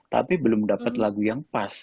tapi belum dapat lagu yang pas